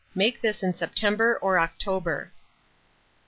Make this in September or October.